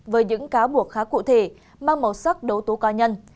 với những cáo buộc khá cụ thể mang màu sắc đấu tố ca nhân